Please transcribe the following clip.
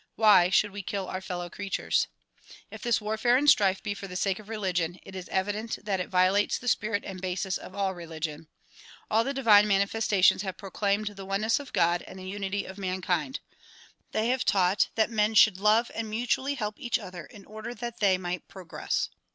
Why should we kill our fellow creatures? If this warfare and strife be for the sake of religion, it is evident that it violates the spirit and basis of all religion. All the divine manifestations have proclaimed the oneness of God and the unity of mankind. They have taught that men should love and mutually help each other in order that they might progress.